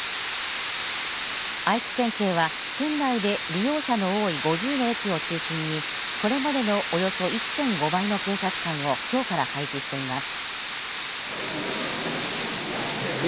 愛知県警は、県内で利用者の多い５０の駅を中心にこれまでのおよそ１．５倍の警察官をきょうから配置しています。